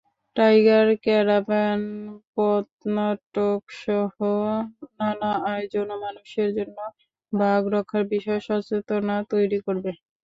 Tiger caravan পথনাটকসহ নানা আয়োজনে মানুষের মধ্যে বাঘ রক্ষার বিষয়ে সচেতনতা তৈরি করবে।